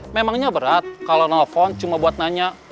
memangnya berat kalau nelfon cuma buat nanya